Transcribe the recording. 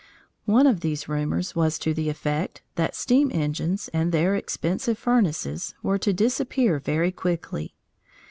One of these rumours was to the effect that steam engines and their expensive furnaces were to disappear very quickly.